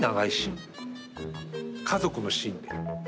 家族のシーンで。